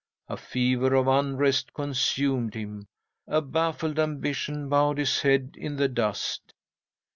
A fever of unrest consumed him. A baffled ambition bowed his head in the dust.